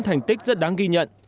thành tích rất đáng ghi nhận